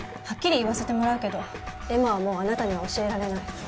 はっきり言わせてもらうけど恵麻はもうあなたには教えられない。